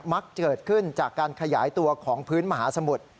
มักเกิดขึ้นจากการขยายตัวของพื้นมหาสมุทร